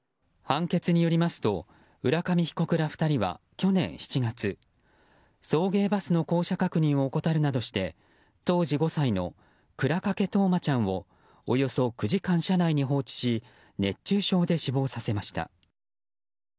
判決によりますと浦上被告ら２人は去年７月送迎バスの降車確認を怠るなどして当時５歳の倉掛冬生ちゃんをおよそ９時間車内に放置し熱中症で死亡させました。